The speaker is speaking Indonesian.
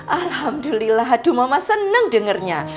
alhamdulillah aduh mama seneng dengernya